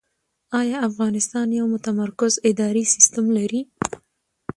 آیا افغانستان یو متمرکز اداري سیستم لري؟